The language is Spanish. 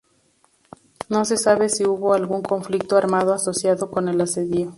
No se sabe si hubo algún conflicto armado asociado con el asedio.